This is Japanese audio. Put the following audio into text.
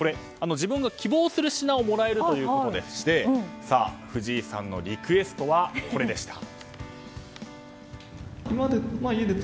自分の希望する品をもらえるというものでして藤井さんのリクエストはこれでした。